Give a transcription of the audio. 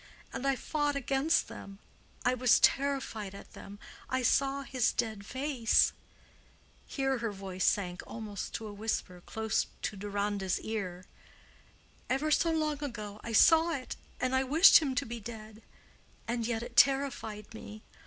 And I fought against them—I was terrified at them—I saw his dead face"—here her voice sank almost to a whisper close to Deronda's ear—"ever so long ago I saw it and I wished him to be dead. And yet it terrified me.